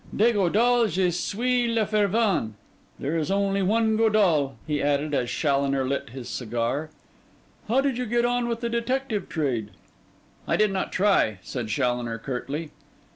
"De Godall je suis le fervent." There is only one Godall.—By the way,' he added, as Challoner lit his cigar, 'how did you get on with the detective trade?' 'I did not try,' said Challoner curtly.